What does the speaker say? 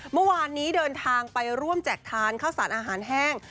เมื่อวานนี้เดินทางไปร่วมแจกทานข้าวสารอาหารแห้ง